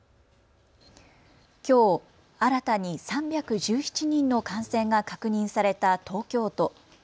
きょう新たに３１７人の感染が確認された東京都。